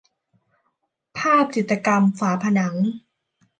ภาพจิตรกรรมฝาผนัง